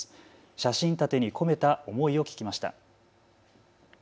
写真立てに込めた思いを聞きました。